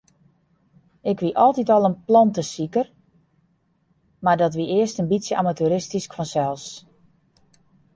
Ik wie altyd al in plantesiker, mar dat wie earst in bytsje amateuristysk fansels.